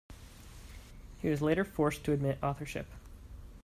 He was later forced to admit authorship.